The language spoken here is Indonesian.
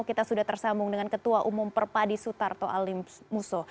kita sudah tersambung dengan ketua umum perpadi sutarto alimuso